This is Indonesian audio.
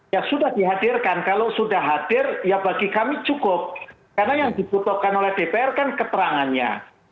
ya sudah dihadirkan kalau sudah hadir ya bagi kami cukup karena yang dibutuhkan oleh dpr kan keterangannya